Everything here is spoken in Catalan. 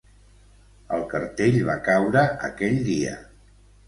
El cartell va caure aquell dia.